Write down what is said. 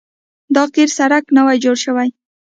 دا قیر سړک نوی جوړ شوی